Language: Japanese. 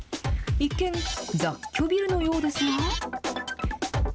一見、雑居ビルのようですが。